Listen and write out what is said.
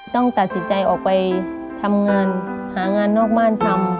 ต้องตัดสินใจออกไปทำงานหางานนอกบ้านทำ